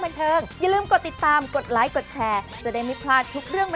แล้วก็เหมือนมีความยินนะเมตตามมากขึ้นค่ะ